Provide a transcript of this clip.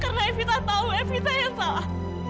karena evita tahu evita yang salah